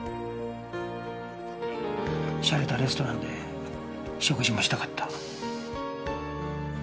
洒落たレストランで食事もしたかった。